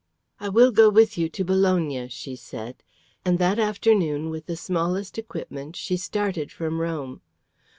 "I will go with you to Bologna," she said; and that afternoon with the smallest equipment she started from Rome.